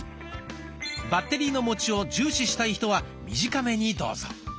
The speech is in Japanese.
バッテリーのもちを重視したい人は短めにどうぞ。